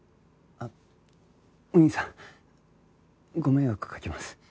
あっお義兄さんご迷惑かけます。